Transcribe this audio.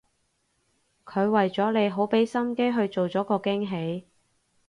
佢為咗你好畀心機去做咗個驚喜